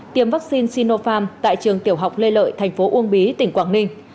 tiêm vaccine sinopharm tại trường tiểu học lê lợi tp uông bí tỉnh quảng ninh